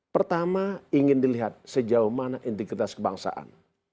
pertama ingin dilihat sejauh mana integritas kebangsaan